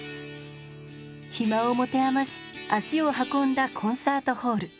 暇を持て余し足を運んだコンサートホール。